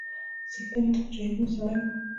څښتن يې د مجاهيدنو سړى و.